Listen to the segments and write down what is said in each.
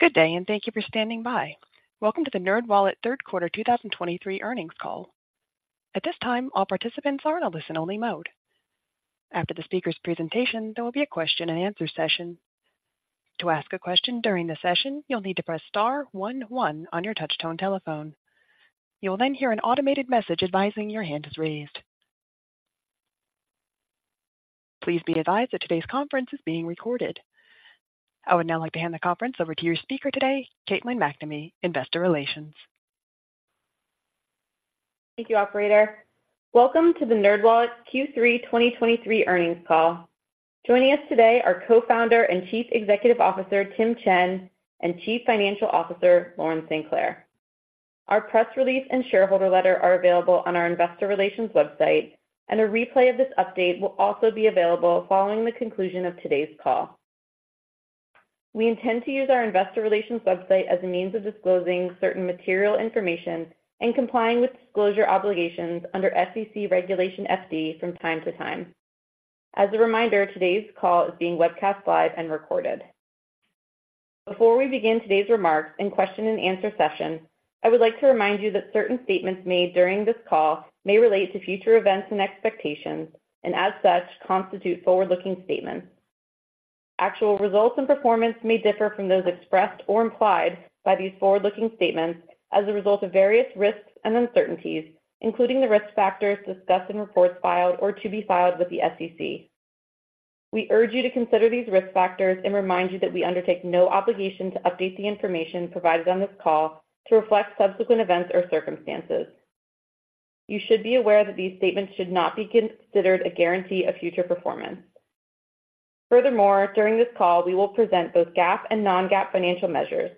Good day, and thank you for standing by. Welcome to the NerdWallet third quarter 2023 earnings call. At this time, all participants are in a listen-only mode. After the speaker's presentation, there will be a question-and-answer session. To ask a question during the session, you'll need to press star one one on your touchtone telephone. You will then hear an automated message advising your hand is raised. Please be advised that today's conference is being recorded. I would now like to hand the conference over to your speaker today, Caitlin MacNamee, Investor Relations. Thank you, operator. Welcome to the NerdWallet Q3 2023 earnings call. Joining us today are Co-founder and Chief Executive Officer, Tim Chen, and Chief Financial Officer, Lauren St. Clair. Our press release and shareholder letter are available on our investor relations website, and a replay of this update will also be available following the conclusion of today's call. We intend to use our investor relations website as a means of disclosing certain material information and complying with disclosure obligations under SEC Regulation FD from time to time. As a reminder, today's call is being webcast live and recorded. Before we begin today's remarks and question-and-answer session, I would like to remind you that certain statements made during this call may relate to future events and expectations, and as such, constitute forward-looking statements. Actual results and performance may differ from those expressed or implied by these forward-looking statements as a result of various risks and uncertainties, including the risk factors discussed in reports filed or to be filed with the SEC. We urge you to consider these risk factors and remind you that we undertake no obligation to update the information provided on this call to reflect subsequent events or circumstances. You should be aware that these statements should not be considered a guarantee of future performance. Furthermore, during this call, we will present both GAAP and non-GAAP financial measures.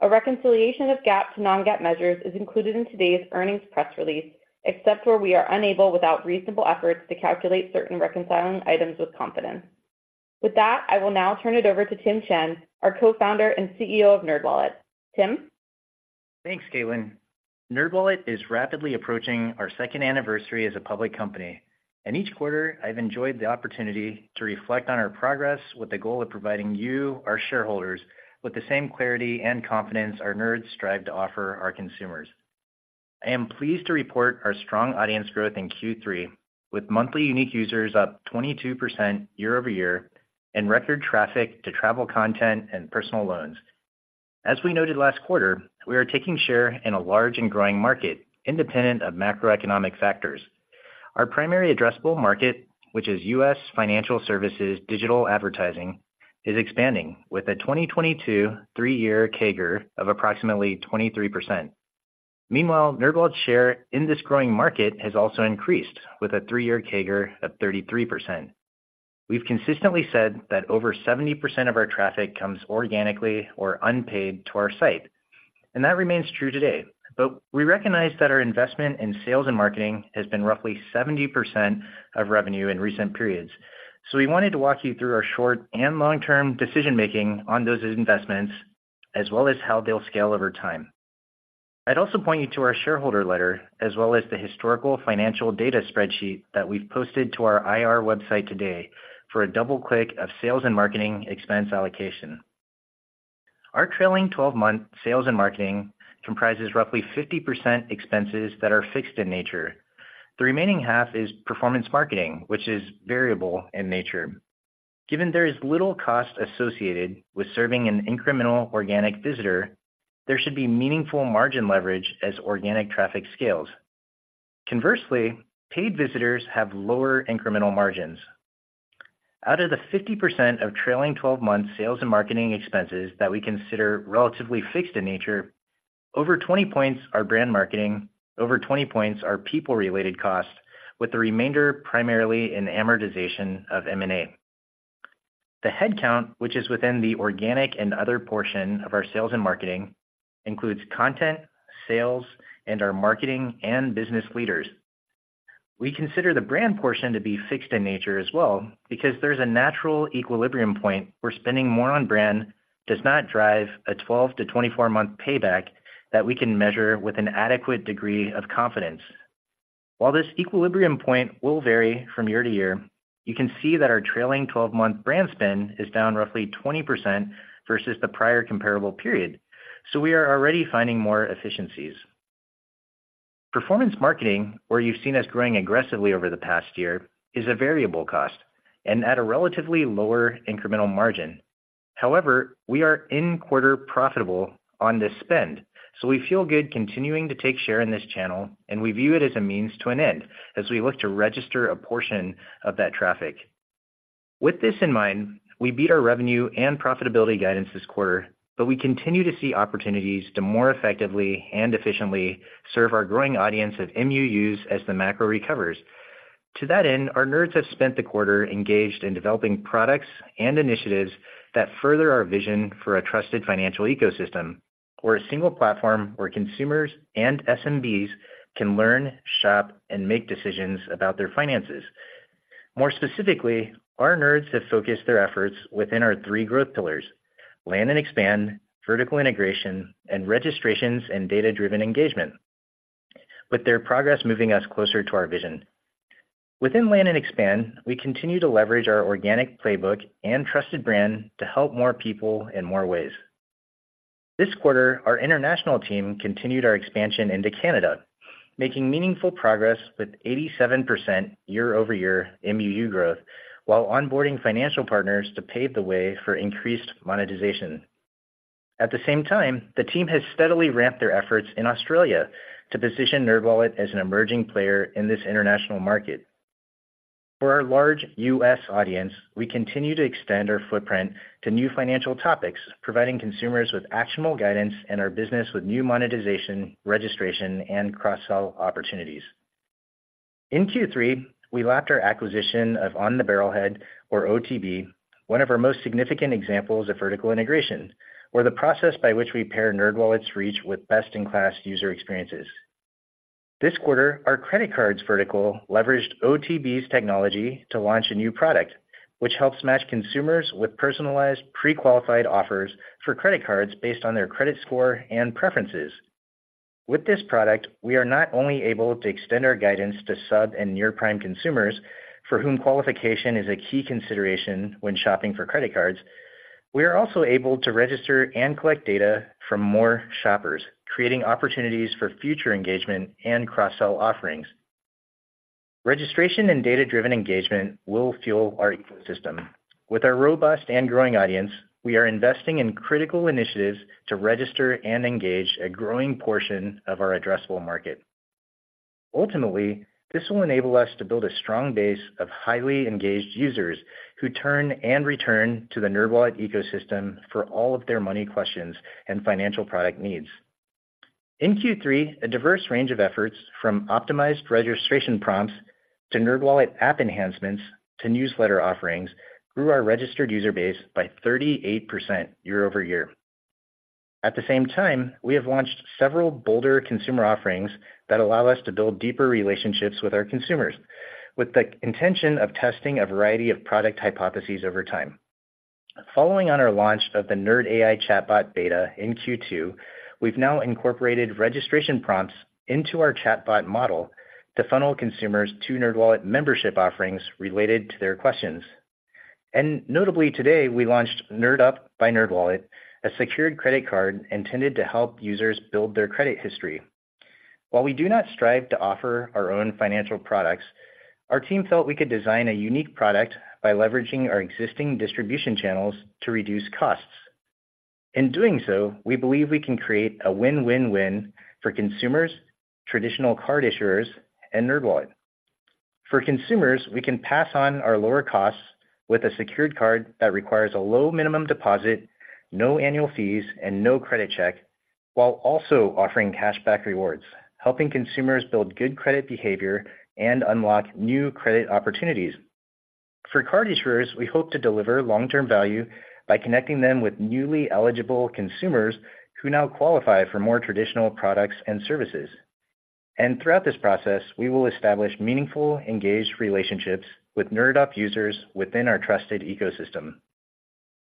A reconciliation of GAAP to non-GAAP measures is included in today's earnings press release, except where we are unable, without reasonable efforts, to calculate certain reconciling items with confidence. With that, I will now turn it over to Tim Chen, our Co-founder and CEO of NerdWallet. Tim? Thanks, Caitlin. NerdWallet is rapidly approaching our second anniversary as a public company, and each quarter I've enjoyed the opportunity to reflect on our progress with the goal of providing you, our shareholders, with the same clarity and confidence our Nerds strive to offer our consumers. I am pleased to report our strong audience growth in Q3, with monthly unique users up 22% year-over-year, and record traffic to travel content and personal loans. As we noted last quarter, we are taking share in a large and growing market independent of macroeconomic factors. Our primary addressable market, which is U.S. financial services digital advertising, is expanding, with a 2022 three-year CAGR of approximately 23%. Meanwhile, NerdWallet's share in this growing market has also increased, with a three-year CAGR of 33%. We've consistently said that over 70% of our traffic comes organically or unpaid to our site, and that remains true today. But we recognize that our investment in sales and marketing has been roughly 70% of revenue in recent periods. So we wanted to walk you through our short- and long-term decision-making on those investments, as well as how they'll scale over time. I'd also point you to our shareholder letter, as well as the historical financial data spreadsheet that we've posted to our IR website today for a double click of sales and marketing expense allocation. Our trailing-12-month sales and marketing comprises roughly 50% expenses that are fixed in nature. The remaining half is performance marketing, which is variable in nature. Given there is little cost associated with serving an incremental organic visitor, there should be meaningful margin leverage as organic traffic scales. Conversely, paid visitors have lower incremental margins. Out of the 50% of trailing-twelve-month sales and marketing expenses that we consider relatively fixed in nature, over 20 points are brand marketing, over 20 points are people-related costs, with the remainder primarily in amortization of M&A. The headcount, which is within the organic and other portion of our sales and marketing, includes content, sales, and our marketing and business leaders. We consider the brand portion to be fixed in nature as well, because there's a natural equilibrium point where spending more on brand does not drive a 12- to 24-month payback that we can measure with an adequate degree of confidence. While this equilibrium point will vary from year to year, you can see that our trailing-twelve-month brand spend is down roughly 20% versus the prior comparable period. So we are already finding more efficiencies. Performance marketing, where you've seen us growing aggressively over the past year, is a variable cost and at a relatively lower incremental margin. However, we are in-quarter profitable on this spend, so we feel good continuing to take share in this channel, and we view it as a means to an end as we look to register a portion of that traffic. With this in mind, we beat our revenue and profitability guidance this quarter, but we continue to see opportunities to more effectively and efficiently serve our growing audience of MUUs as the macro recovers. To that end, our Nerds have spent the quarter engaged in developing products and initiatives that further our vision for a trusted financial ecosystem, or a single platform where consumers and SMBs can learn, shop, and make decisions about their finances. More specifically, our Nerds have focused their efforts within our three growth pillars: land and expand, vertical integration, and registrations and data-driven engagement, with their progress moving us closer to our vision. Within land and expand, we continue to leverage our organic playbook and trusted brand to help more people in more ways. This quarter, our international team continued our expansion into Canada, making meaningful progress with 87% year-over-year MUU growth, while onboarding financial partners to pave the way for increased monetization. At the same time, the team has steadily ramped their efforts in Australia to position NerdWallet as an emerging player in this international market. For our large U.S. audience, we continue to extend our footprint to new financial topics, providing consumers with actionable guidance and our business with new monetization, registration, and cross-sell opportunities. In Q3, we lapped our acquisition of On the Barrelhead, or OTB, one of our most significant examples of vertical integration, where the process by which we pair NerdWallet's reach with best-in-class user experiences. This quarter, our credit cards vertical leveraged OTB's technology to launch a new product, which helps match consumers with personalized, pre-qualified offers for credit cards based on their credit score and preferences. With this product, we are not only able to extend our guidance to sub and near-prime consumers, for whom qualification is a key consideration when shopping for credit cards, we are also able to register and collect data from more shoppers, creating opportunities for future engagement and cross-sell offerings. Registration and data-driven engagement will fuel our ecosystem. With our robust and growing audience, we are investing in critical initiatives to register and engage a growing portion of our addressable market. Ultimately, this will enable us to build a strong base of highly engaged users who turn and return to the NerdWallet ecosystem for all of their money questions and financial product needs. In Q3, a diverse range of efforts, from optimized registration prompts to NerdWallet app enhancements to newsletter offerings, grew our registered user base by 38% year-over-year. At the same time, we have launched several bolder consumer offerings that allow us to build deeper relationships with our consumers, with the intention of testing a variety of product hypotheses over time. Following on our launch of the Nerd AI chatbot beta in Q2, we've now incorporated registration prompts into our chatbot model to funnel consumers to NerdWallet membership offerings related to their questions. Notably today, we launched NerdUp by NerdWallet, a secured credit card intended to help users build their credit history. While we do not strive to offer our own financial products, our team felt we could design a unique product by leveraging our existing distribution channels to reduce costs. In doing so, we believe we can create a win-win-win for consumers, traditional card issuers, and NerdWallet. For consumers, we can pass on our lower costs with a secured card that requires a low minimum deposit, no annual fees, and no credit check, while also offering cashback rewards, helping consumers build good credit behavior and unlock new credit opportunities. For card issuers, we hope to deliver long-term value by connecting them with newly eligible consumers who now qualify for more traditional products and services. Throughout this process, we will establish meaningful, engaged relationships with NerdUp users within our trusted ecosystem.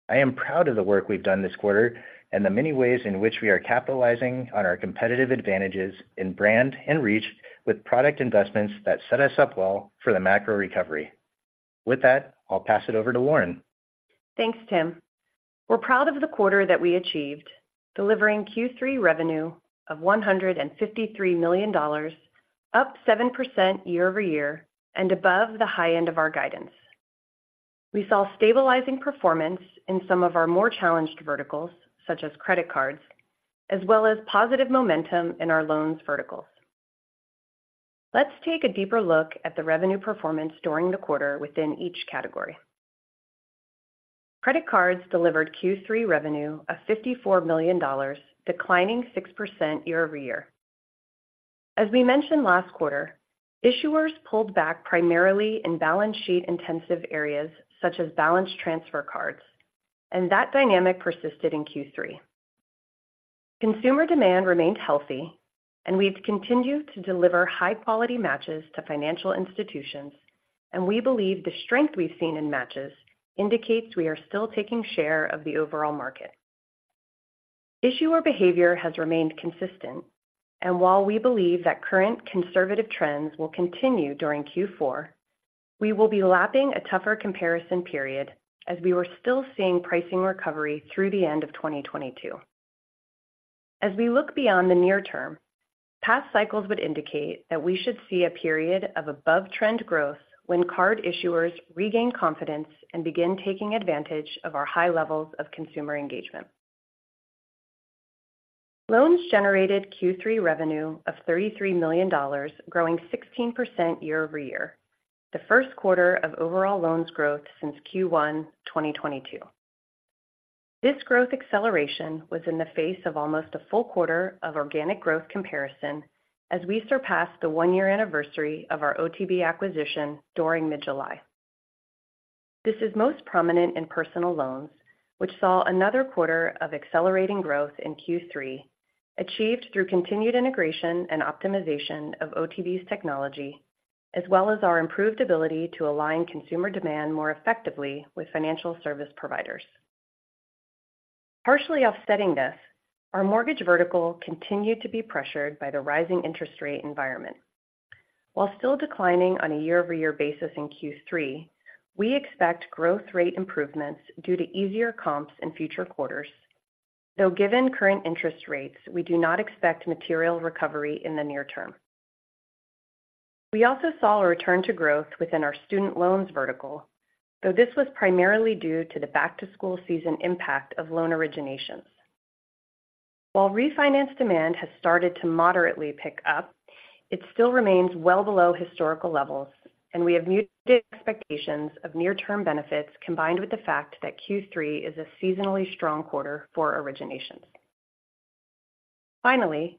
I am proud of the work we've done this quarter and the many ways in which we are capitalizing on our competitive advantages in brand and reach with product investments that set us up well for the macro recovery. With that, I'll pass it over to Lauren. Thanks, Tim. We're proud of the quarter that we achieved, delivering Q3 revenue of $153 million, up 7% year-over-year and above the high end of our guidance. We saw stabilizing performance in some of our more challenged verticals, such as credit cards, as well as positive momentum in our loans verticals. Let's take a deeper look at the revenue performance during the quarter within each category. Credit cards delivered Q3 revenue of $54 million, declining 6% year-over-year. As we mentioned last quarter, issuers pulled back primarily in balance sheet-intensive areas such as balance transfer cards, and that dynamic persisted in Q3. Consumer demand remained healthy, and we've continued to deliver high-quality matches to financial institutions, and we believe the strength we've seen in matches indicates we are still taking share of the overall market. Issuer behavior has remained consistent, and while we believe that current conservative trends will continue during Q4, we will be lapping a tougher comparison period as we were still seeing pricing recovery through the end of 2022. As we look beyond the near term, past cycles would indicate that we should see a period of above-trend growth when card issuers regain confidence and begin taking advantage of our high levels of consumer engagement. Loans generated Q3 revenue of $33 million, growing 16% year-over-year, the first quarter of overall loans growth since Q1 2022. This growth acceleration was in the face of almost a full quarter of organic growth comparison as we surpassed the one-year anniversary of our OTB acquisition during mid-July. This is most prominent in personal loans, which saw another quarter of accelerating growth in Q3, achieved through continued integration and optimization of OTB's technology, as well as our improved ability to align consumer demand more effectively with financial service providers. Partially offsetting this, our mortgage vertical continued to be pressured by the rising interest rate environment. While still declining on a year-over-year basis in Q3, we expect growth rate improvements due to easier comps in future quarters, though, given current interest rates, we do not expect material recovery in the near term. We also saw a return to growth within our student loans vertical, though this was primarily due to the back-to-school season impact of loan originations. While refinance demand has started to moderately pick up, it still remains well below historical levels, and we have muted expectations of near-term benefits, combined with the fact that Q3 is a seasonally strong quarter for originations. Finally,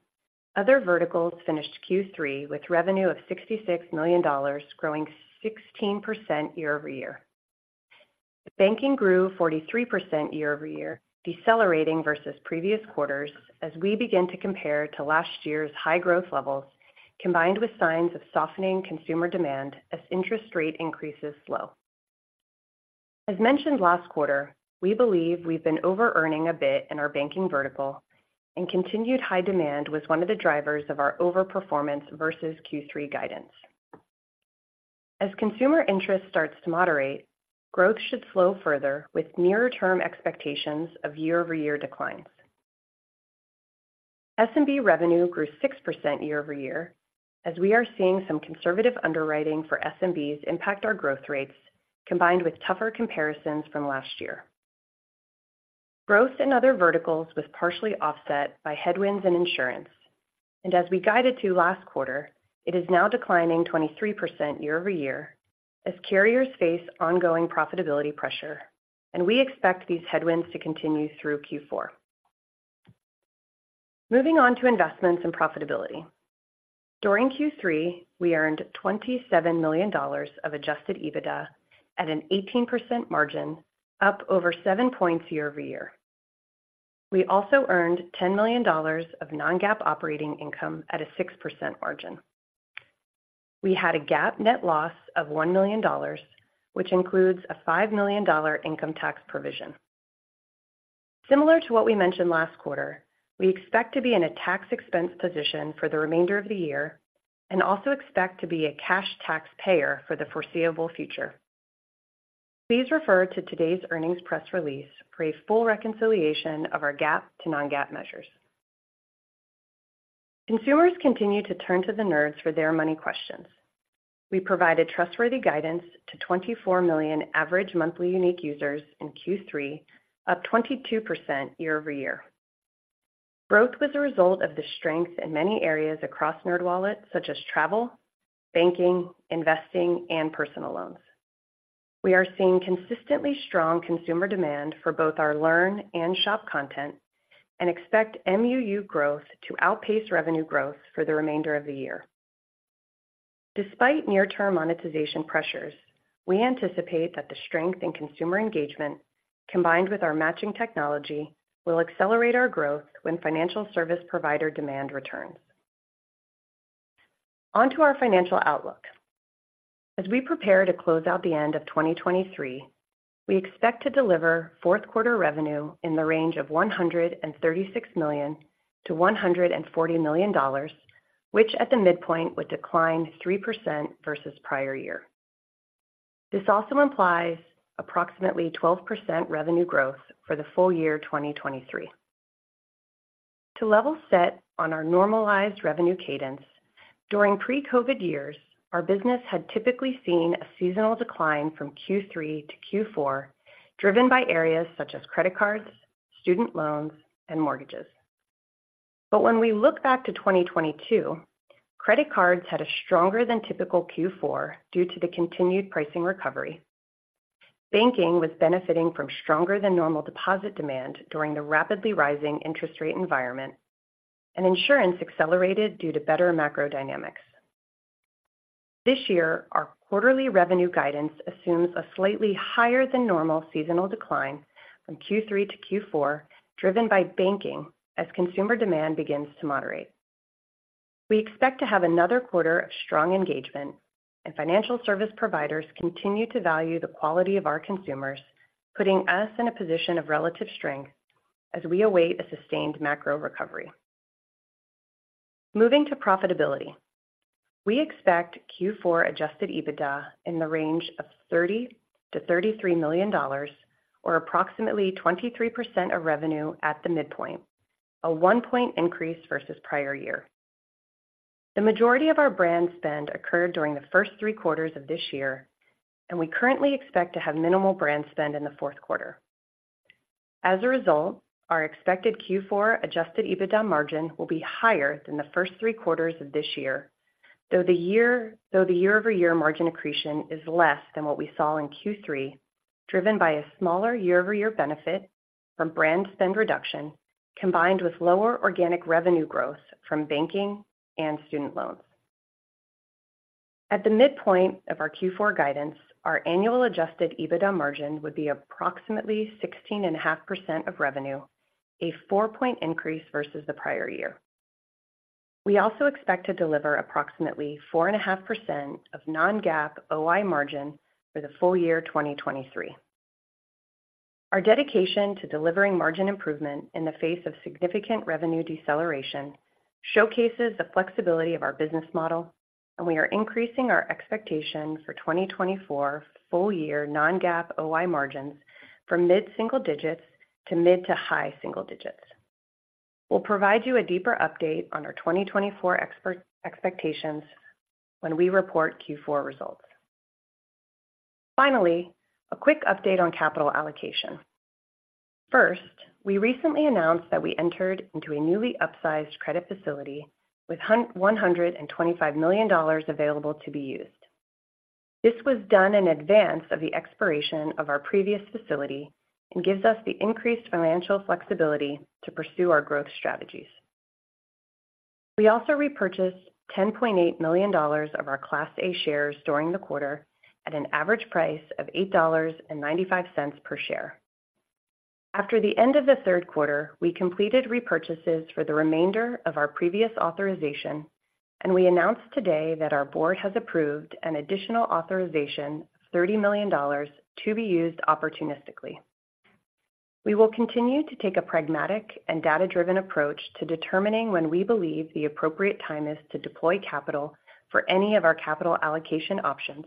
other verticals finished Q3 with revenue of $66 million, growing 16% year-over-year. Banking grew 43% year-over-year, decelerating versus previous quarters as we begin to compare to last year's high growth levels, combined with signs of softening consumer demand as interest rate increases slow. As mentioned last quarter, we believe we've been over-earning a bit in our banking vertical, and continued high demand was one of the drivers of our overperformance versus Q3 guidance. As consumer interest starts to moderate, growth should slow further, with near-term expectations of year-over-year declines. SMB revenue grew 6% year-over-year, as we are seeing some conservative underwriting for SMBs impact our growth rates, combined with tougher comparisons from last year. Growth in other verticals was partially offset by headwinds in insurance, and as we guided to last quarter, it is now declining 23% year-over-year as carriers face ongoing profitability pressure, and we expect these headwinds to continue through Q4. Moving on to investments and profitability. During Q3, we earned $27 million of adjusted EBITDA at an 18% margin, up over seven points year-over-year. We also earned $10 million of non-GAAP operating income at a 6% margin. We had a GAAP net loss of $1 million, which includes a $5 million dollar income tax provision. Similar to what we mentioned last quarter, we expect to be in a tax expense position for the remainder of the year and also expect to be a cash taxpayer for the foreseeable future. Please refer to today's earnings press release for a full reconciliation of our GAAP to non-GAAP measures. Consumers continue to turn to the Nerds for their money questions. We provided trustworthy guidance to 24 million average monthly unique users in Q3, up 22% year-over-year. Growth was a result of the strength in many areas across NerdWallet, such as travel, banking, investing, and personal loans. We are seeing consistently strong consumer demand for both our learn and shop content and expect MUU growth to outpace revenue growth for the remainder of the year. Despite near-term monetization pressures, we anticipate that the strength in consumer engagement, combined with our matching technology, will accelerate our growth when financial service provider demand returns. On to our financial outlook. As we prepare to close out the end of 2023, we expect to deliver fourth quarter revenue in the range of $136 million-$140 million, which at the midpoint would decline 3% versus prior year. This also implies approximately 12% revenue growth for the full year 2023. To level set on our normalized revenue cadence, during pre-COVID years, our business had typically seen a seasonal decline from Q3 to Q4, driven by areas such as credit cards, student loans, and mortgages. But when we look back to 2022, credit cards had a stronger than typical Q4 due to the continued pricing recovery. Banking was benefiting from stronger than normal deposit demand during the rapidly rising interest rate environment, and insurance accelerated due to better macro dynamics. This year, our quarterly revenue guidance assumes a slightly higher than normal seasonal decline from Q3 to Q4, driven by banking as consumer demand begins to moderate. We expect to have another quarter of strong engagement, and financial service providers continue to value the quality of our consumers, putting us in a position of relative strength as we await a sustained macro recovery. Moving to profitability. We expect Q4 Adjusted EBITDA in the range of $30 million-$33 million, or approximately 23% of revenue at the midpoint, a 1-point increase versus prior year. The majority of our brand spend occurred during the first three quarters of this year, and we currently expect to have minimal brand spend in the fourth quarter. As a result, our expected Q4 adjusted EBITDA margin will be higher than the first three quarters of this year, though the year-over-year margin accretion is less than what we saw in Q3, driven by a smaller year-over-year benefit from brand spend reduction, combined with lower organic revenue growth from banking and student loans. At the midpoint of our Q4 guidance, our annual adjusted EBITDA margin would be approximately 16.5% of revenue, a four-point increase versus the prior year. We also expect to deliver approximately 4.5% of non-GAAP OI margin for the full year 2023. Our dedication to delivering margin improvement in the face of significant revenue deceleration showcases the flexibility of our business model, and we are increasing our expectation for 2024 full-year non-GAAP OI margins from mid-single digits to mid- to high-single digits. We'll provide you a deeper update on our 2024 expectations when we report Q4 results. Finally, a quick update on capital allocation. First, we recently announced that we entered into a newly upsized credit facility with $125 million available to be used. This was done in advance of the expiration of our previous facility and gives us the increased financial flexibility to pursue our growth strategies. We also repurchased $10.8 million of our Class A shares during the quarter at an average price of $8.95 per share. After the end of the third quarter, we completed repurchases for the remainder of our previous authorization, and we announced today that our board has approved an additional authorization of $30 million to be used opportunistically. We will continue to take a pragmatic and data-driven approach to determining when we believe the appropriate time is to deploy capital for any of our capital allocation options,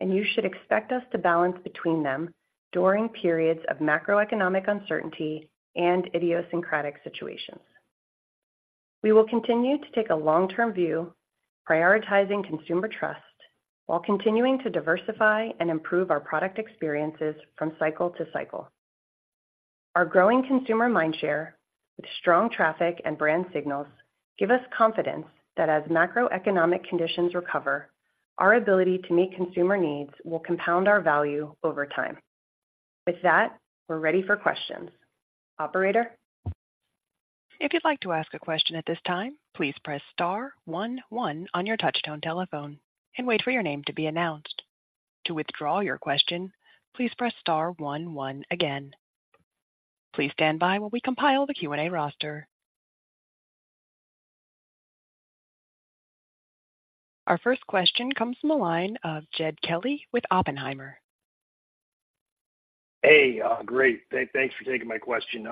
and you should expect us to balance between them during periods of macroeconomic uncertainty and idiosyncratic situations. We will continue to take a long-term view, prioritizing consumer trust, while continuing to diversify and improve our product experiences from cycle to cycle. Our growing consumer mindshare, with strong traffic and brand signals, give us confidence that as macroeconomic conditions recover, our ability to meet consumer needs will compound our value over time. With that, we're ready for questions. Operator? If you'd like to ask a question at this time, please press star one one on your touchtone telephone and wait for your name to be announced. To withdraw your question, please press star one one again. Please stand by while we compile the Q&A roster. Our first question comes from the line of Jed Kelly with Oppenheimer. Hey, great. Thanks for taking my question.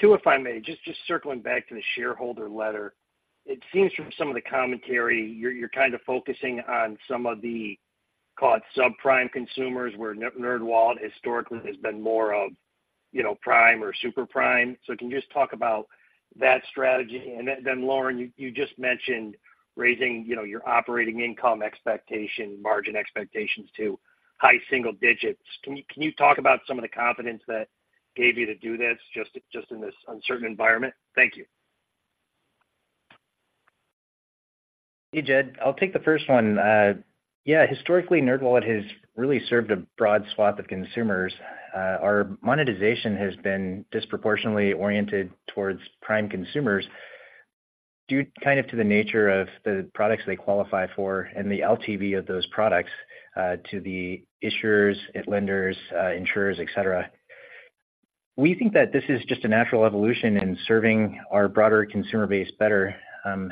Two, if I may. Just circling back to the shareholder letter, it seems from some of the commentary, you're kind of focusing on some of the, call it, subprime consumers, where NerdWallet historically has been more of, you know, prime or super prime. So can you just talk about that strategy? And then, Lauren, you just mentioned raising, you know, your operating income expectation, margin expectations to high single digits. Can you talk about some of the confidence that gave you to do this, just in this uncertain environment? Thank you. Hey, Jed. I'll take the first one. Yeah, historically, NerdWallet has really served a broad swath of consumers. Our monetization has been disproportionately oriented towards prime consumers due kind of to the nature of the products they qualify for and the LTV of those products, to the issuers, lenders, insurers, et cetera. We think that this is just a natural evolution in serving our broader consumer base better.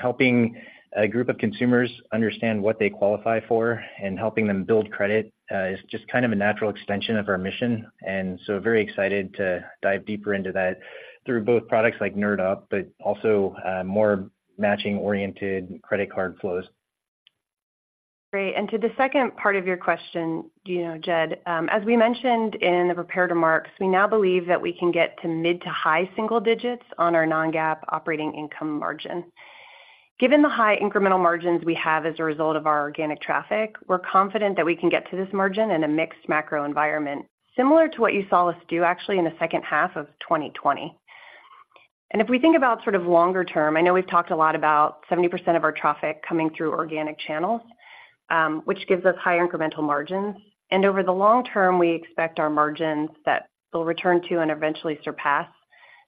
Helping a group of consumers understand what they qualify for and helping them build credit is just kind of a natural extension of our mission, and so very excited to dive deeper into that through both products like NerdUp, but also, more matching-oriented credit card flows. Great. And to the second part of your question, you know, Jed, as we mentioned in the prepared remarks, we now believe that we can get to mid to high single digits on our non-GAAP operating income margin. Given the high incremental margins we have as a result of our organic traffic, we're confident that we can get to this margin in a mixed macro environment, similar to what you saw us do actually in the second half of 2020. And if we think about sort of longer term, I know we've talked a lot about 70% of our traffic coming through organic channels, which gives us higher incremental margins. And over the long term, we expect our margins that will return to and eventually surpass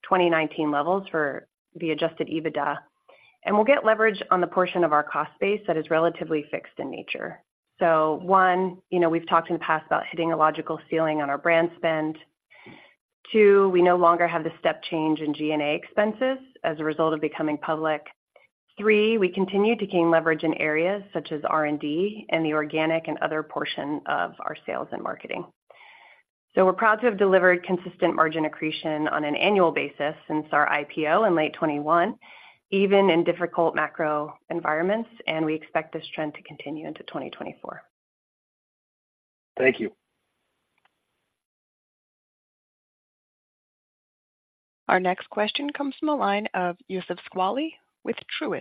2019 levels for the Adjusted EBITDA. And we'll get leverage on the portion of our cost base that is relatively fixed in nature. So one, you know, we've talked in the past about hitting a logical ceiling on our brand spend. Two, we no longer have the step change in G&A expenses as a result of becoming public. Three, we continue to gain leverage in areas such as R&D and the organic and other portion of our sales and marketing. So we're proud to have delivered consistent margin accretion on an annual basis since our IPO in late 2021, even in difficult macro environments, and we expect this trend to continue into 2024. Thank you. Our next question comes from the line of Youssef Squali with Truist.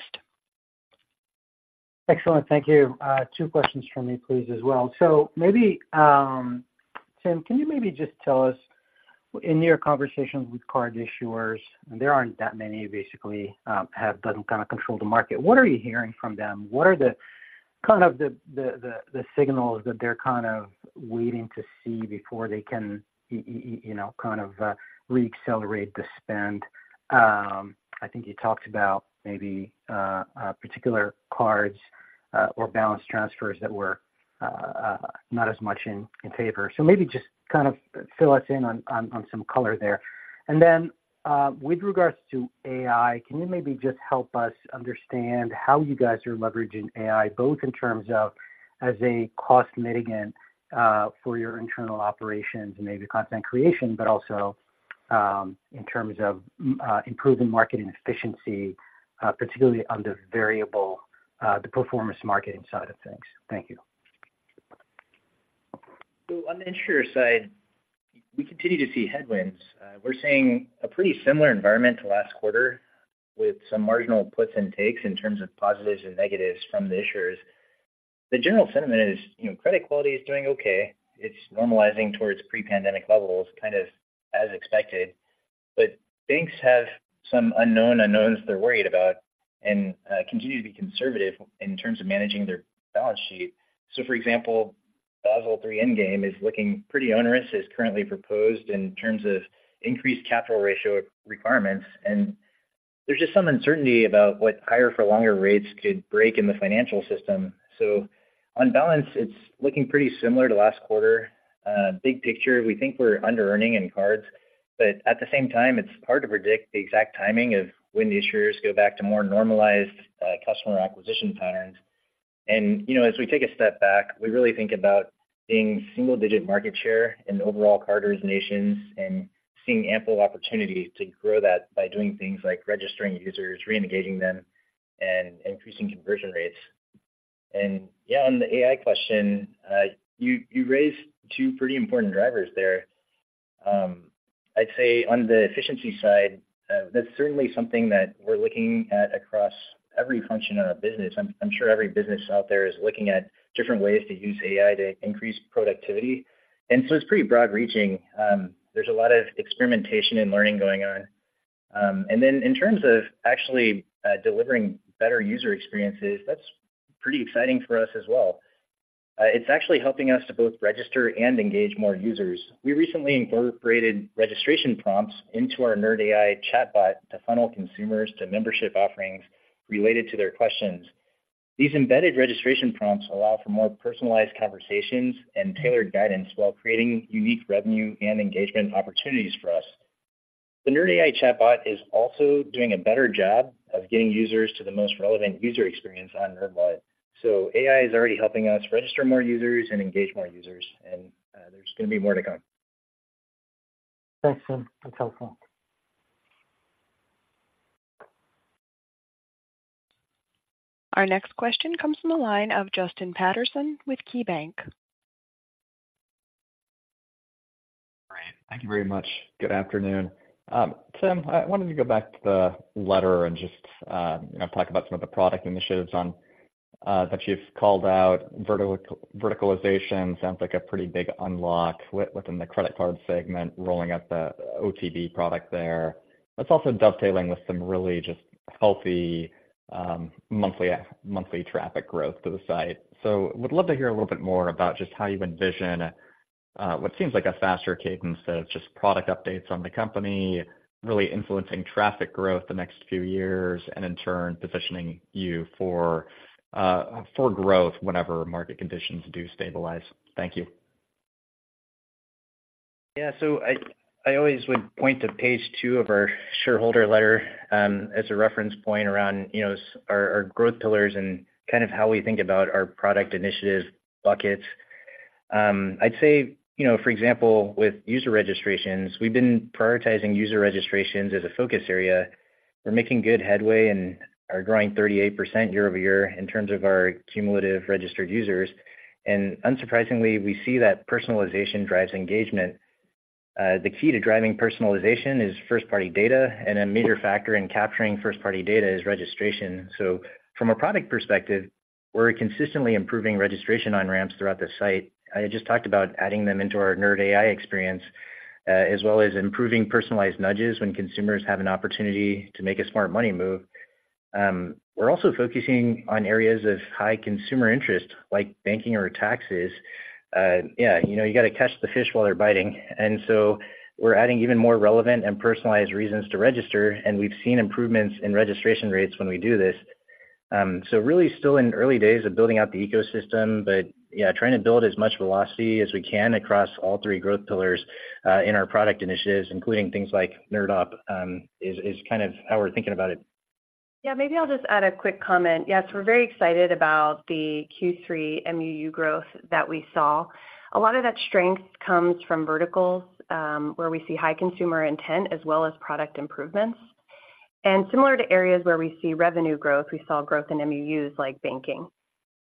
Excellent. Thank you. Two questions from me, please, as well. So maybe, Tim, can you maybe just tell us, in your conversations with card issuers, and there aren't that many basically, have-- doesn't kind of control the market, what are you hearing from them? What are the kind of the signals that they're kind of waiting to see before they can, you know, kind of reaccelerate the spend? I think you talked about maybe particular cards or balance transfers that were not as much in paper. So maybe just kind of fill us in on some color there. And then, with regards to AI, can you maybe just help us understand how you guys are leveraging AI, both in terms of as a cost mitigant, for your internal operations and maybe content creation, but also, in terms of, improving marketing efficiency, particularly on the variable, the performance marketing side of things? Thank you. So on the insurer side, we continue to see headwinds. We're seeing a pretty similar environment to last quarter, with some marginal puts and takes in terms of positives and negatives from the issuers. The general sentiment is, you know, credit quality is doing okay. It's normalizing towards pre-pandemic levels, kind of as expected. But banks have some unknown unknowns they're worried about and continue to be conservative in terms of managing their balance sheet. So for example, Basel III Endgame is looking pretty onerous, as currently proposed, in terms of increased capital ratio requirements. And there's just some uncertainty about what higher for longer rates could break in the financial system. So on balance, it's looking pretty similar to last quarter. Big picture, we think we're under-earning in cards, but at the same time, it's hard to predict the exact timing of when the issuers go back to more normalized customer acquisition patterns. You know, as we take a step back, we really think about being single-digit market share in overall card denominations and seeing ample opportunity to grow that by doing things like registering users, re-engaging them, and increasing conversion rates. Yeah, on the AI question, you raised two pretty important drivers there. I'd say on the efficiency side, that's certainly something that we're looking at across every function of our business. I'm sure every business out there is looking at different ways to use AI to increase productivity, and so it's pretty broad reaching. There's a lot of experimentation and learning going on. And then in terms of actually, delivering better user experiences, that's pretty exciting for us as well. It's actually helping us to both register and engage more users. We recently incorporated registration prompts into our Nerd AI chatbot to funnel consumers to membership offerings related to their questions. These embedded registration prompts allow for more personalized conversations and tailored guidance, while creating unique revenue and engagement opportunities for us. The Nerd AI chatbot is also doing a better job of getting users to the most relevant user experience on NerdWallet. So AI is already helping us register more users and engage more users, and, there's gonna be more to come. Thanks, Tim. That's helpful. Our next question comes from the line of Justin Patterson with KeyBanc. Great. Thank you very much. Good afternoon. Tim, I wanted to go back to the letter and just, you know, talk about some of the product initiatives on -- that you've called out. Verticalization sounds like a pretty big unlock within the credit card segment, rolling out the OTB product there. That's also dovetailing with some really just healthy, monthly traffic growth to the site. So would love to hear a little bit more about just how you envision what seems like a faster cadence of just product updates on the company, really influencing traffic growth the next few years, and in turn, positioning you for growth whenever market conditions do stabilize. Thank you. Yeah. So I always would point to page two of our shareholder letter, as a reference point around, you know, our growth pillars and kind of how we think about our product initiative buckets. I'd say, you know, for example, with user registrations, we've been prioritizing user registrations as a focus area. We're making good headway and are growing 38% year-over-year in terms of our cumulative registered users. And unsurprisingly, we see that personalization drives engagement. The key to driving personalization is first-party data, and a major factor in capturing first-party data is registration. So from a product perspective, we're consistently improving registration on-ramps throughout the site. I just talked about adding them into our Nerd AI experience, as well as improving personalized nudges when consumers have an opportunity to make a smart money move. We're also focusing on areas of high consumer interest, like banking or taxes. Yeah, you know, you gotta catch the fish while they're biting, and so we're adding even more relevant and personalized reasons to register, and we've seen improvements in registration rates when we do this. So really still in early days of building out the ecosystem, but yeah, trying to build as much velocity as we can across all three growth pillars, in our product initiatives, including things like NerdUp, is, is kind of how we're thinking about it. Yeah, maybe I'll just add a quick comment. Yes, we're very excited about the Q3 MUU growth that we saw. A lot of that strength comes from verticals, where we see high consumer intent, as well as product improvements. Similar to areas where we see revenue growth, we saw growth in MUUs, like banking.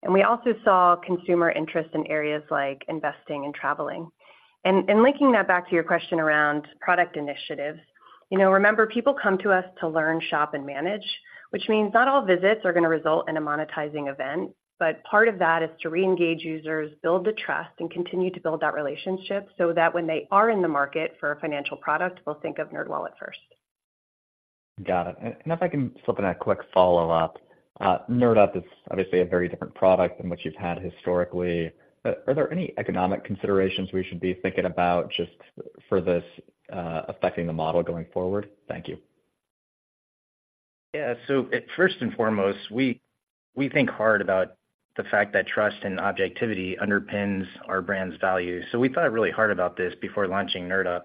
We also saw consumer interest in areas like investing and traveling. Linking that back to your question around product initiatives, you know, remember, people come to us to learn, shop, and manage, which means not all visits are gonna result in a monetizing event. But part of that is to reengage users, build the trust, and continue to build that relationship so that when they are in the market for a financial product, they'll think of NerdWallet first. Got it. And if I can slip in a quick follow-up. NerdUp is obviously a very different product than what you've had historically. Are there any economic considerations we should be thinking about just for this, affecting the model going forward? Thank you. ... Yeah, so first and foremost, we think hard about the fact that trust and objectivity underpins our brand's value. So we thought really hard about this before launching NerdUp.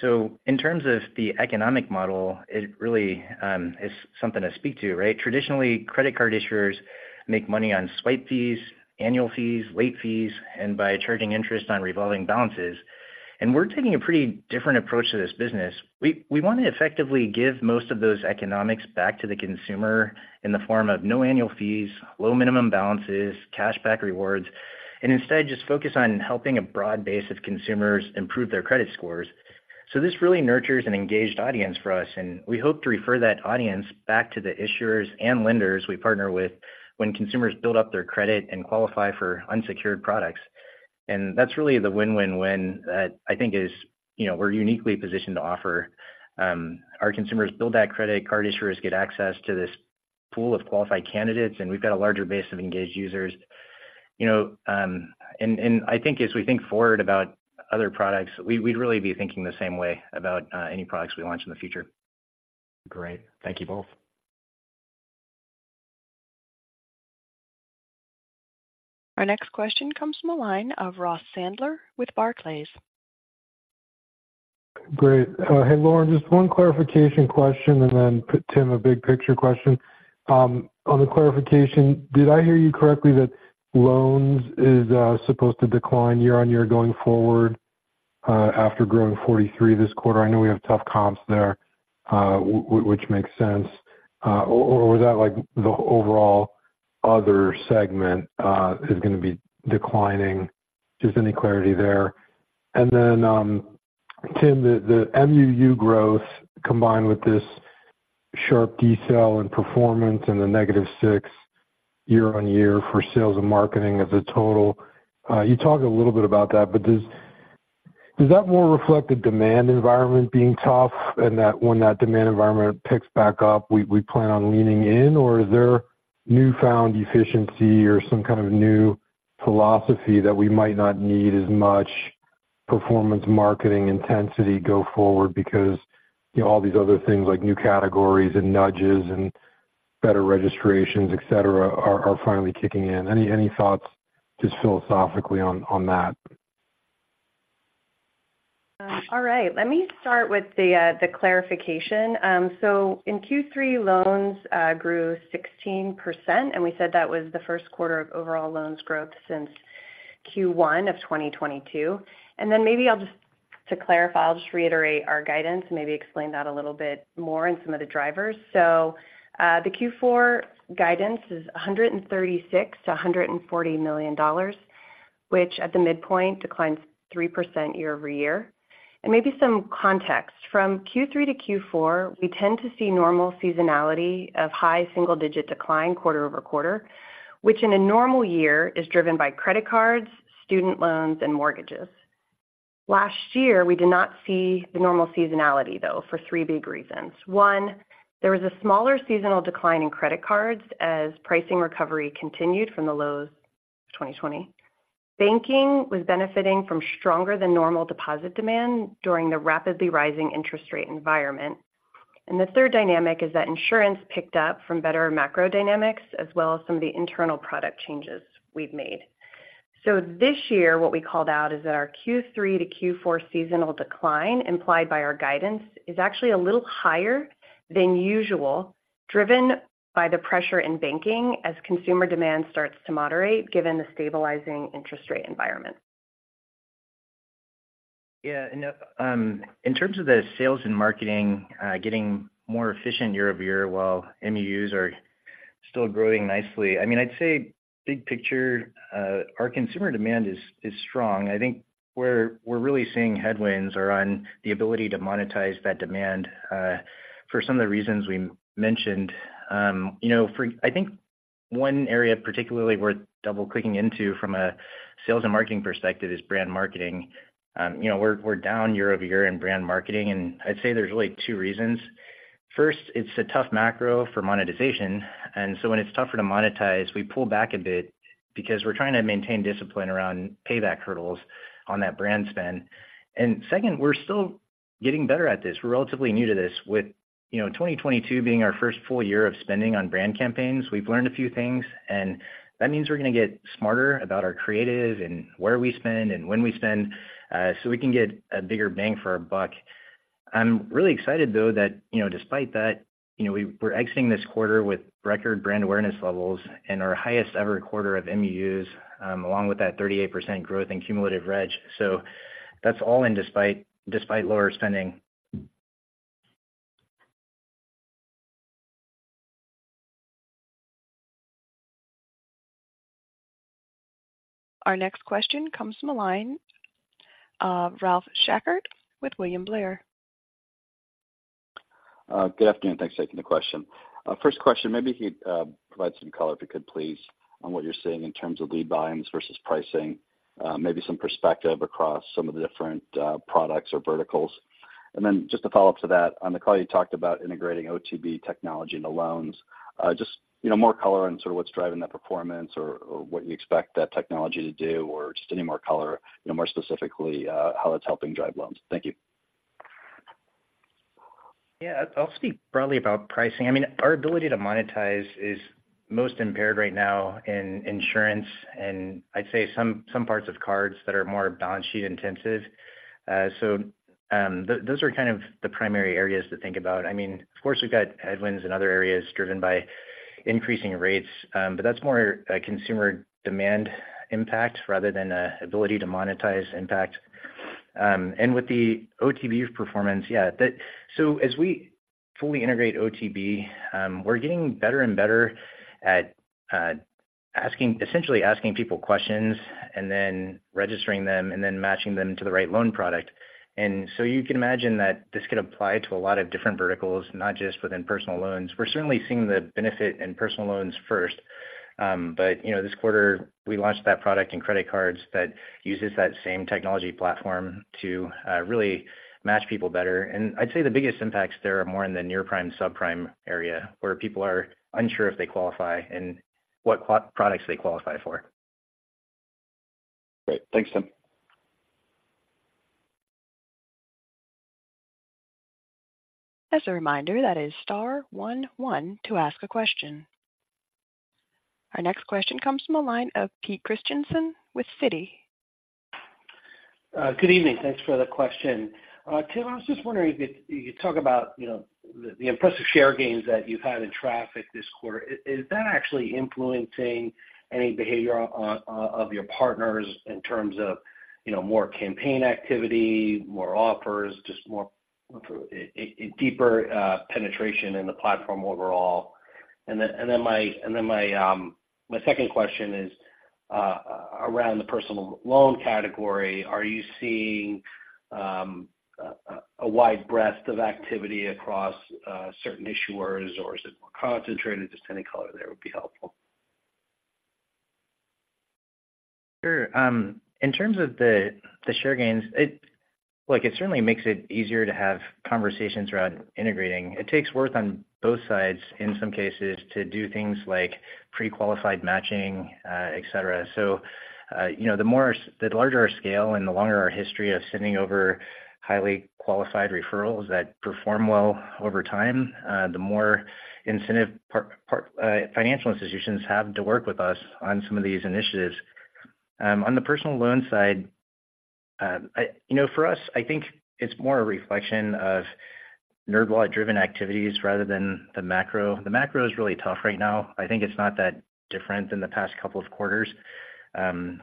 So in terms of the economic model, it really is something to speak to, right? Traditionally, credit card issuers make money on swipe fees, annual fees, late fees, and by charging interest on revolving balances. And we're taking a pretty different approach to this business. We want to effectively give most of those economics back to the consumer in the form of no annual fees, low minimum balances, cashback rewards, and instead just focus on helping a broad base of consumers improve their credit scores. So this really nurtures an engaged audience for us, and we hope to refer that audience back to the issuers and lenders we partner with when consumers build up their credit and qualify for unsecured products. And that's really the win-win-win that I think is, you know, we're uniquely positioned to offer. Our consumers build that credit, card issuers get access to this pool of qualified candidates, and we've got a larger base of engaged users. You know, and I think as we think forward about other products, we, we'd really be thinking the same way about any products we launch in the future. Great. Thank you both. Our next question comes from the line of Ross Sandler with Barclays. Great. Hey, Lauren, just one clarification question, and then, Tim, a big-picture question. On the clarification, did I hear you correctly that loans is supposed to decline year-over-year going forward, after growing 43% this quarter? I know we have tough comps there, which makes sense. Or was that, like, the overall other segment is going to be declining? Just any clarity there. Tim, the MUU growth combined with this sharp decel in performance and the negative 6% year-on-year for sales and marketing as a total, you talked a little bit about that, but does that more reflect the demand environment being tough, and that when that demand environment picks back up, we plan on leaning in, or is there newfound efficiency or some kind of new philosophy that we might not need as much performance marketing intensity go forward because, you know, all these other things like new categories and nudges and better registrations, et cetera, are finally kicking in? Any thoughts just philosophically on that? All right, let me start with the clarification. So in Q3, loans grew 16%, and we said that was the first quarter of overall loans growth since Q1 of 2022. Then to clarify, I'll just reiterate our guidance and maybe explain that a little bit more and some of the drivers. So, the Q4 guidance is $136 million-$140 million, which at the midpoint declines 3% year-over-year. Maybe some context. From Q3 to Q4, we tend to see normal seasonality of high single-digit decline quarter-over-quarter, which in a normal year is driven by credit cards, student loans, and mortgages. Last year, we did not see the normal seasonality, though, for three big reasons. One, there was a smaller seasonal decline in credit cards as pricing recovery continued from the lows of 2020. Banking was benefiting from stronger than normal deposit demand during the rapidly rising interest rate environment. And the third dynamic is that insurance picked up from better macro dynamics as well as some of the internal product changes we've made. So this year, what we called out is that our Q3 to Q4 seasonal decline, implied by our guidance, is actually a little higher than usual, driven by the pressure in banking as consumer demand starts to moderate, given the stabilizing interest rate environment. Yeah, and in terms of the sales and marketing getting more efficient year-over-year, while MUUs are still growing nicely, I mean, I'd say big picture, our consumer demand is, is strong. I think where we're really seeing headwinds are on the ability to monetize that demand for some of the reasons we mentioned. You know, I think one area particularly worth double-clicking into from a sales and marketing perspective is brand marketing. You know, we're, we're down year-over-year in brand marketing, and I'd say there's really two reasons. First, it's a tough macro for monetization, and so when it's tougher to monetize, we pull back a bit because we're trying to maintain discipline around payback hurdles on that brand spend. And second, we're still getting better at this. We're relatively new to this, with, you know, 2022 being our first full year of spending on brand campaigns. We've learned a few things, and that means we're going to get smarter about our creative and where we spend and when we spend, so we can get a bigger bang for our buck. I'm really excited, though, that, you know, despite that, you know, we're exiting this quarter with record brand awareness levels and our highest-ever quarter of MUUs, along with that 38% growth in cumulative reg. So that's all in despite, despite lower spending. Our next question comes from the line of Ralph Schackart with William Blair. Good afternoon. Thanks for taking the question. First question, maybe he provide some color, if you could, please, on what you're seeing in terms of lead volumes versus pricing, maybe some perspective across some of the different products or verticals. And then just to follow up to that, on the call, you talked about integrating OTB technology into loans. Just, you know, more color on sort of what's driving that performance or, or what you expect that technology to do, or just any more color, you know, more specifically, how it's helping drive loans. Thank you.... Yeah, I'll speak broadly about pricing. I mean, our ability to monetize is most impaired right now in insurance, and I'd say some parts of cards that are more balance sheet intensive. Those are kind of the primary areas to think about. I mean, of course, we've got headwinds in other areas driven by increasing rates, but that's more a consumer demand impact rather than an ability to monetize impact. And with the OTB performance, yeah, so as we fully integrate OTB, we're getting better and better at essentially asking people questions and then registering them, and then matching them to the right loan product. And so you can imagine that this could apply to a lot of different verticals, not just within personal loans. We're certainly seeing the benefit in personal loans first. But, you know, this quarter, we launched that product in credit cards that uses that same technology platform to really match people better. And I'd say the biggest impacts there are more in the near-prime, subprime area, where people are unsure if they qualify and what products they qualify for. Great. Thanks, Tim. As a reminder, that is star one one to ask a question. Our next question comes from the line of Peter Christiansen with Citi. Good evening. Thanks for the question. Tim, I was just wondering if you could talk about, you know, the impressive share gains that you've had in traffic this quarter. Is that actually influencing any behavior of your partners in terms of, you know, more campaign activity, more offers, just more, a deeper penetration in the platform overall? Then my second question is around the personal loan category. Are you seeing a wide breadth of activity across certain issuers, or is it more concentrated? Just any color there would be helpful. Sure. In terms of the share gains, it certainly makes it easier to have conversations around integrating. It takes work on both sides, in some cases, to do things like pre-qualified matching, et cetera. You know, the more our... the larger our scale and the longer our history of sending over highly qualified referrals that perform well over time, the more incentive part, part, financial institutions have to work with us on some of these initiatives. On the personal loan side, I... You know, for us, I think it's more a reflection of NerdWallet-driven activities rather than the macro. The macro is really tough right now. I think it's not that different than the past couple of quarters.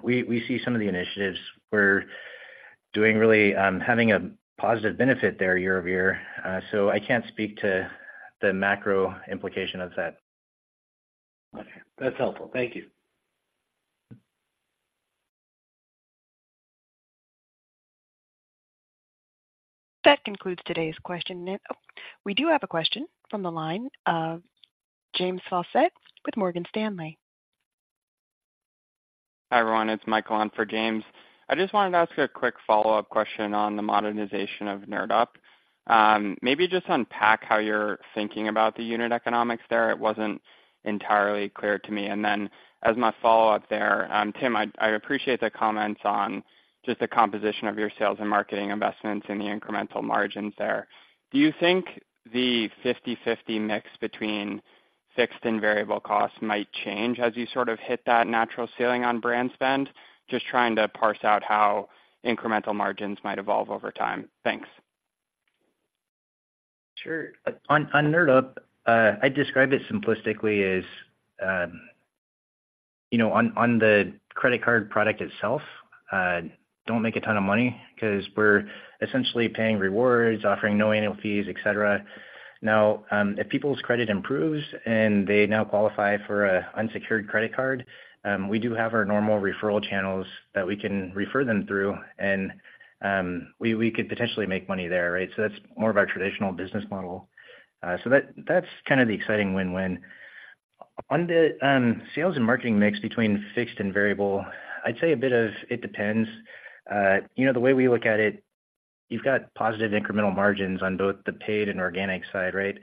We see some of the initiatives we're doing really having a positive benefit there year-over-year. I can't speak to the macro implication of that. Okay. That's helpful. Thank you. That concludes today's question and... Oh, we do have a question from the line of James Faucette with Morgan Stanley. Hi, everyone. It's Michael on for James. I just wanted to ask a quick follow-up question on the modernization of NerdUp. Maybe just unpack how you're thinking about the unit economics there. It wasn't entirely clear to me. And then, as my follow-up there, Tim, I appreciate the comments on just the composition of your sales and marketing investments and the incremental margins there. Do you think the 50/50 mix between fixed and variable costs might change as you sort of hit that natural ceiling on brand spend? Just trying to parse out how incremental margins might evolve over time. Thanks. Sure. On NerdUp, I'd describe it simplistically as, you know, on the credit card product itself, don't make a ton of money because we're essentially paying rewards, offering no annual fees, et cetera. Now, if people's credit improves and they now qualify for an unsecured credit card, we do have our normal referral channels that we can refer them through, and we could potentially make money there, right? That's more of our traditional business model. That's kind of the exciting win-win. On the sales and marketing mix between fixed and variable, I'd say a bit of it depends. You know, the way we look at it, you've got positive incremental margins on both the paid and organic side, right?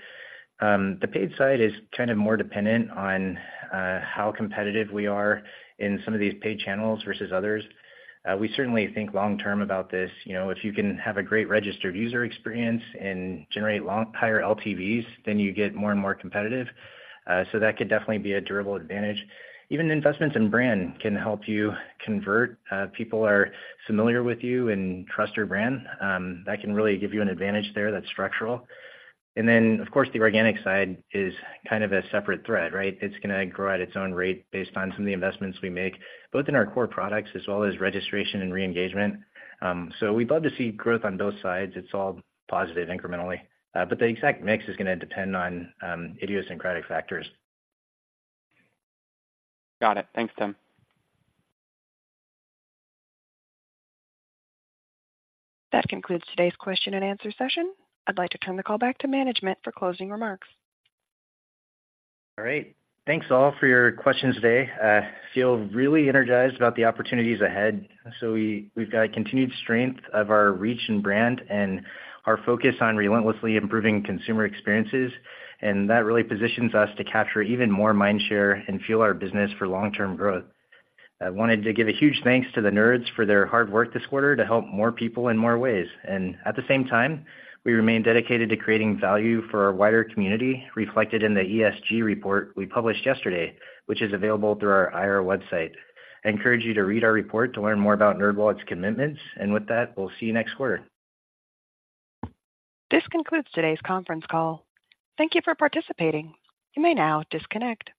The paid side is kind of more dependent on how competitive we are in some of these paid channels versus others. We certainly think long term about this. You know, if you can have a great registered user experience and generate long, higher LTVs, then you get more and more competitive. So that could definitely be a durable advantage. Even investments in brand can help you convert. People are familiar with you and trust your brand, that can really give you an advantage there that's structural. And then, of course, the organic side is kind of a separate thread, right? It's gonna grow at its own rate based on some of the investments we make, both in our core products as well as registration and reengagement. So we'd love to see growth on both sides. It's all positive incrementally, but the exact mix is gonna depend on idiosyncratic factors. Got it. Thanks, Tim. That concludes today's question and answer session. I'd like to turn the call back to management for closing remarks. All right. Thanks, all, for your questions today. I feel really energized about the opportunities ahead. So we've got a continued strength of our reach and brand and our focus on relentlessly improving consumer experiences, and that really positions us to capture even more mind share and fuel our business for long-term growth. I wanted to give a huge thanks to the Nerds for their hard work this quarter to help more people in more ways, and at the same time, we remain dedicated to creating value for our wider community, reflected in the ESG report we published yesterday, which is available through our IR website. I encourage you to read our report to learn more about NerdWallet's commitments. With that, we'll see you next quarter. This concludes today's conference call. Thank you for participating. You may now disconnect.